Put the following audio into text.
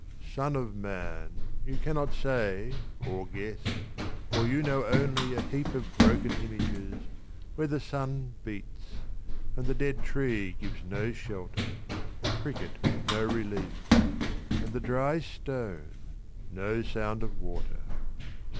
Son of man, 20 You cannot say, or guess, for you know only A heap of broken images, where the sun beats, And the dead tree gives no shelter, the cricket no relief, And the dry stone no sound of water.